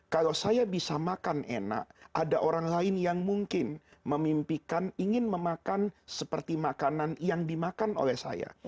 kalau saya bisa makan enak ada orang lain yang mungkin memimpikan ingin memakan seperti makanan yang dimakan oleh saya